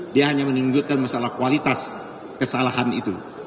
dia hanya menunjukkan masalah kualitas kesalahan itu